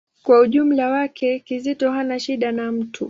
Kwa ujumla wake, Kizito hana shida na mtu.